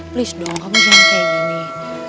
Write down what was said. please dong kamu jangan kayak gini